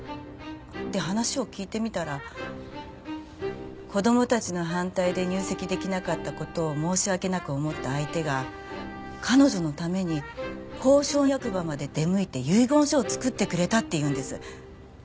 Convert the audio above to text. で話を聞いてみたら子供たちの反対で入籍出来なかった事を申し訳なく思った相手が彼女のために公証役場まで出向いて遺言書を作ってくれたっていうんです。